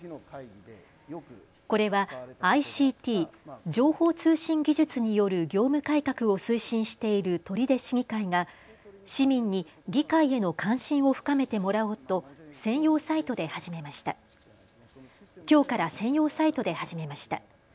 これはＩＣＴ・情報通信技術による業務改革を推進している取手市議会が市民に議会への関心を深めてもらおうときょうから専用サイトで始めました。